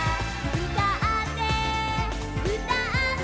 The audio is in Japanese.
「うたってうたって」